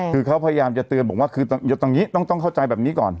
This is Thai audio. คือเขาพยายามจะเตือนบอกว่าคือตอนนี้ต้องเข้าใจแบบนี้ก่อน